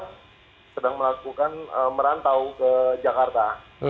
kita sedang melakukan merantau ke jakarta